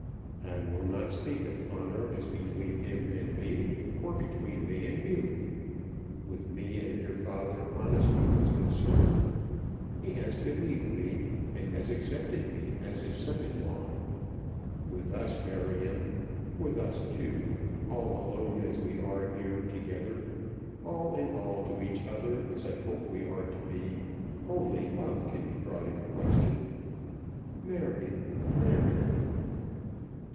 "I will not speak of honour as between him and me or between me and you. With me and your father honesty was concerned. He has believed me, and has accepted me as his son in law. With us, Marion, with us two, all alone as we are here together, all in all to each other as I hope we are to be, only love can be brought in question. Marion, Marion!"